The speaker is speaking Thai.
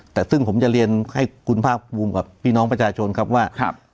แต่ซึ่งผมจะเรียนให้คุณภาคภูมิกับพี่น้องประชาชนครับว่า